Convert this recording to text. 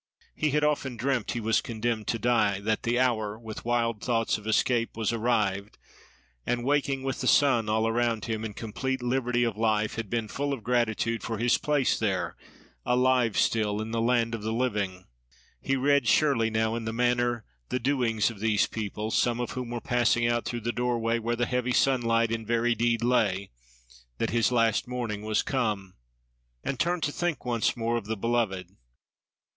He had often dreamt he was condemned to die, that the hour, with wild thoughts of escape, was arrived; and waking, with the sun all around him, in complete liberty of life, had been full of gratitude for his place there, alive still, in the land of the living. He read surely, now, in the manner, the doings, of these people, some of whom were passing out through the doorway, where the heavy sunlight in very deed lay, that his last morning was come, and turned to think once more of the beloved.